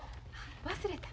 忘れた。